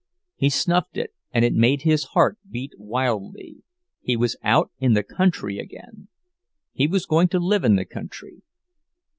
He snuffed it, and it made his heart beat wildly—he was out in the country again! He was going to live in the country!